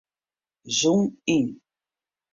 Zoom yn.